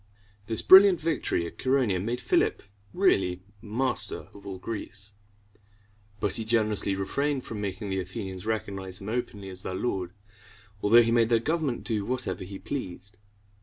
This brilliant victory at Chæronea made Philip really master of all Greece; but he generously refrained from making the Athenians recognize him openly as their lord, although he made their government do whatever he pleased.